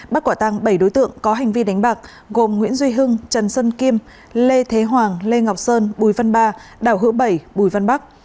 bắt quả tăng bảy đối tượng có hành vi đánh bạc gồm nguyễn duy hưng trần sơn kim lê thế hoàng lê ngọc sơn bùi văn ba đảo hữu bảy bùi văn bắc